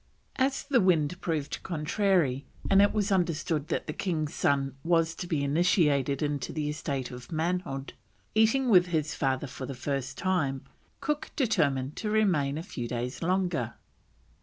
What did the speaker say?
As the wind proved contrary, and it was understood that the king's son was to be initiated into the estate of manhood, eating with his father for the first time, Cook determined to remain a few days longer.